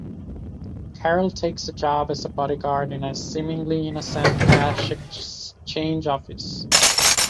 Karol takes a job as a bodyguard in a seemingly innocent cash exchange office.